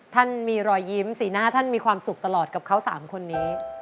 ท่านมีรอยยิ้มสีหน้าท่านมีความสุขตลอดกับเขา๓คนนี้